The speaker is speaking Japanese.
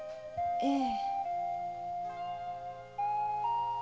ええ。